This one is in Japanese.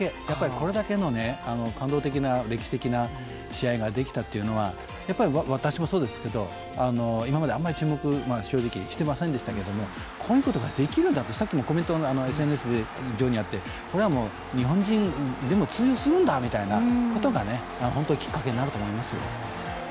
これだけの感動的な歴史的な試合ができたというのはやっぱり私もそうですけど、今まであんまり注目、してませんでしたけどこういうことができるんだって、さっきＳＮＳ上にもあったけど、日本人でも通用するんだってことが本当にきっかけになると思いますよ。